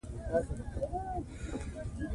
آمو سیند د افغان نجونو د پرمختګ لپاره فرصتونه برابروي.